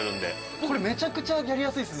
これめちゃくちゃやりやすいですね。